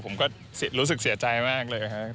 ผมก็รู้สึกเสียใจมากเลยครับ